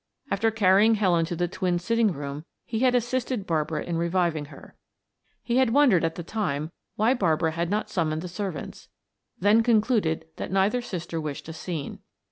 After carrying Helen to the twins' sitting room he had assisted Barbara in reviving her. He had wondered at the time why Barbara had not summoned the servants, then concluded that neither sister wished a scene.